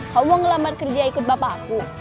kamu mau ngelambat kerja ikut bapak aku